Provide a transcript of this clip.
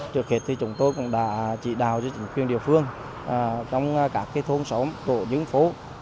trước hết thì chúng tôi cũng đã chỉ đào cho chính quyền địa phương trong các thôn xóm tổ dân phố